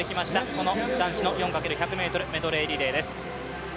この男子の４×１００ｍメドレーリレーです。